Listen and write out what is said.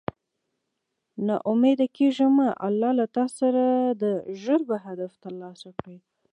نا اميده کيږه مه الله له تاسره ده ژر به هدف تر لاسه کړی